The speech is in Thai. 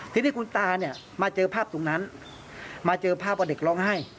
ทีนี้คุณตาเนี่ยมาเจอภาพตรงนั้นมาเจอภาพว่าเด็กร้องไห้